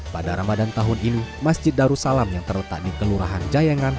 pada ramadan tahun ini masjid darussalam yang terletak di kelurahan jayangan